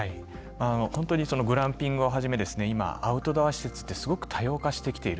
本当にグランピングをはじめ今、アウトドア施設ってすごく多様化してきている。